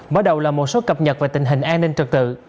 mở đầu là một số cập nhật về tình hình an ninh trật tự